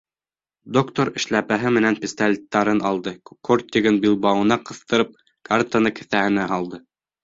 Доктор эшләпәһе менән пистолеттарын алды, кортигын билбауына ҡыҫтырып, картаны кеҫәһенә һалды.